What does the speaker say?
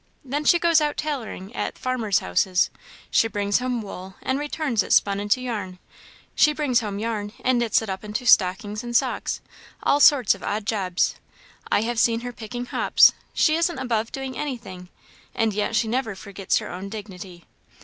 Then she goes out tailoring at the farmers' houses; she brings home wool and returns it spun into yarn; she brings home yarn and knits it up into stockings and socks; all sorts of odd jobs. I have seen her picking hops; she isn't above doing anything, and yet she never forgets her own dignity.